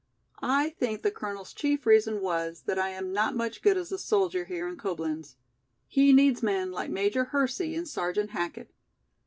I think the Colonel's chief reason was that I am not much good as a soldier here in Coblenz. He needs men like Major Hersey and Sergeant Hackett.